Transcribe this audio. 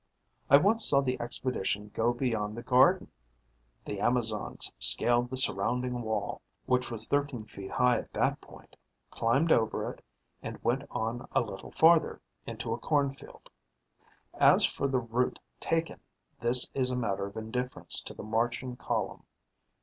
I once saw the expedition go beyond the garden. The Amazons scaled the surrounding wall, which was thirteen feet high at that point, climbed over it and went on a little farther, into a cornfield. As for the route taken, this is a matter of indifference to the marching column.